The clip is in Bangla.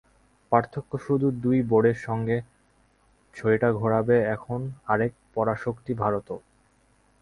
পার্থক্য শুধু, দুই বোর্ডের সঙ্গে ছড়িটা ঘোরাবে এখন আরেক পরাশক্তি ভারতও।